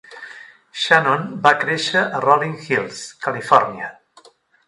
Shannon va créixer a Rolling Hills (Califòrnia).